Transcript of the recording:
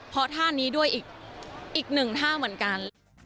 เพราะท่านี้ด้วยอีกหนึ่งท่าเหมือนกัน